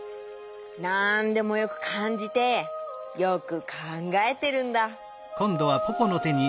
なんでもよくかんじてよくかんがえてるんだ。